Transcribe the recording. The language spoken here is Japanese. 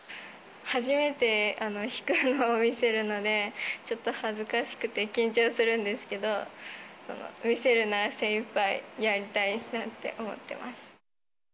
初めて弾くのを見せるので、ちょっと恥ずかしくて緊張するんですけど、見せるなら精いっぱいやりたいなって思います。